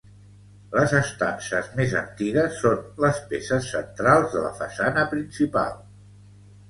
Les estances més antigues són les peces centrals de la façana principal.